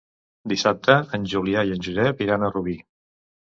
Dissabte en Julià i en Josep iran a Rubí.